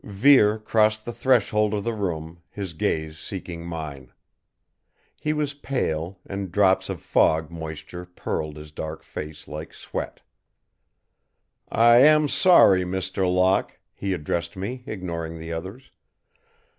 Vere crossed the threshold of the room, his gaze seeking mine. He was pale, and drops of fog moisture pearled his dark face like sweat. "I am sorry, Mr. Locke," he addressed me, ignoring the others.